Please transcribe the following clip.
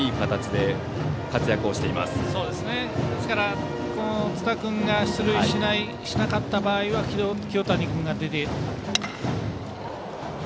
ですから、津田君が出塁しなかった場合は清谷君が出ている。